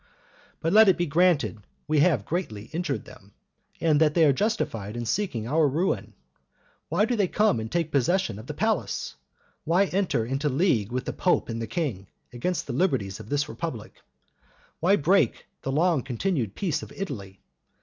But let it be granted we have greatly injured them, and that they are justified in seeking our ruin; why do they come and take possession of the palace? Why enter into league with the pope and the king, against the liberties of this republic? Why break the long continued peace of Italy?